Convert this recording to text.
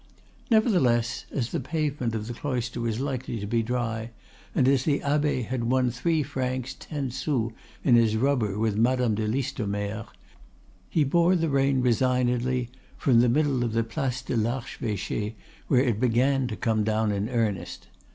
Nevertheless, as the pavement of the Cloister was likely to be dry, and as the abbe had won three francs ten sous in his rubber with Madame de Listomere, he bore the rain resignedly from the middle of the place de l'Archeveche, where it began to come down in earnest.